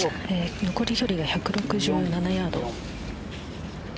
残り距離が１６７ヤード。